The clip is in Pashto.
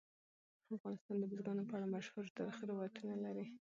افغانستان د بزګانو په اړه مشهور تاریخی روایتونه لري.